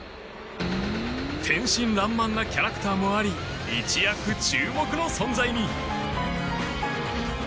天真爛漫なキャラクターもあり一躍注目の存在に。